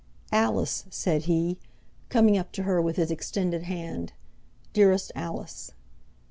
"Alice," said he, coming up to her with his extended hand, "Dearest Alice!"